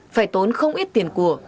phải tốn không ít tiền của